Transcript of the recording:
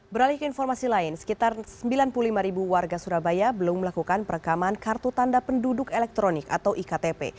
beralih ke informasi lain sekitar sembilan puluh lima ribu warga surabaya belum melakukan perekaman kartu tanda penduduk elektronik atau iktp